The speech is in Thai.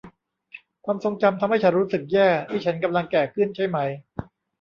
ความทรงจำทำให้ฉันรู้สึกแย่ นี่ฉันกำลังแก่ขึ้นใช่ไหม